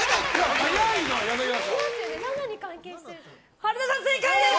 春菜さん、正解です！